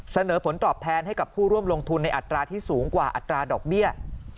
เสนอผลตอบแทนให้กับผู้ร่วมลงทุนในอัตราที่สูงกว่าอัตราดอกเบี้ย